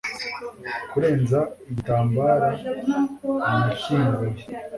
kurenza igitambara nakinguye